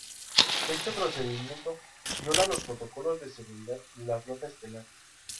Este procedimiento viola los protocolos de seguridad de la Flota Estelar.